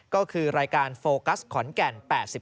ก็คือรายการโฟกัสขอนแก่น๘๔